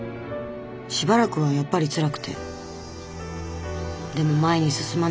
しばらくはやっぱりつらくてでも前に進まなきゃって。